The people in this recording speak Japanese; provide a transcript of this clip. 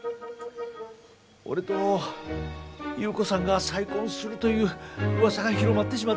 俺と優子さんが再婚するといううわさが広まってしまって。